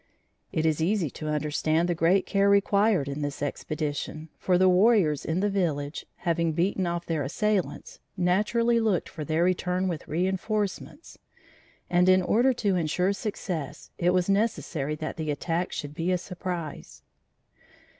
It is easy to understand the great care required in this expedition, for the warriors in the village, having beaten off their assailants, naturally looked for their return with reinforcements, and, in order to insure success, it was necessary that the attack should be a surprise.